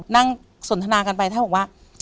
นั่งสนทนากันไปถ้าบอกว่า